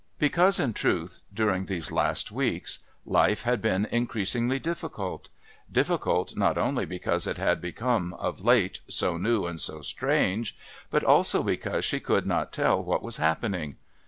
Because in truth during these last weeks life had been increasingly difficult difficult not only because it had become, of late, so new and so strange, but also because she could not tell what was happening.